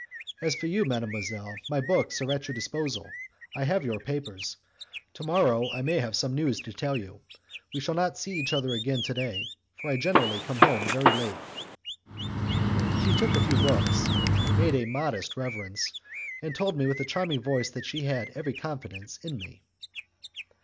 As for you, mademoiselle, my books are at your disposal, I have your papers; to morrow I may have some news to tell you; we shall not see each other again to day, for I generally come home very late." She took a few books, made a modest reverence, and told me with a charming voice that she had every confidence in me.